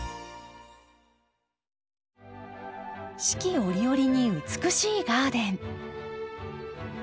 四季折々に美しいガーデン。